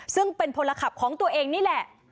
ซึ่งเป็นพลขับของตัวเองนี่แหละ